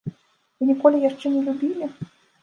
Вы ніколі яшчэ не любілі?